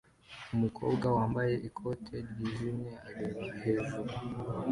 Umukobwa wambaye ikoti ryijimye areba hejuru